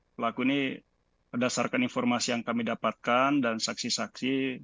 pelaku ini berdasarkan informasi yang kami dapatkan dan saksi saksi